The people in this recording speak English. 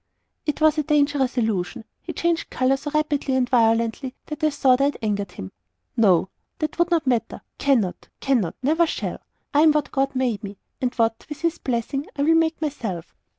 '" It was a dangerous allusion. He changed colour so rapidly and violently that I thought I had angered him. "No that would not matter cannot cannot never shall. I am what God made me, and what, with His blessing, I will make myself."